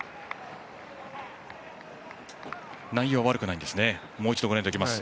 内容は悪くないんですね。